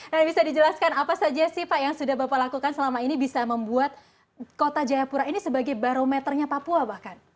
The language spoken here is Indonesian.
nah bisa dijelaskan apa saja sih pak yang sudah bapak lakukan selama ini bisa membuat kota jayapura ini sebagai barometernya papua bahkan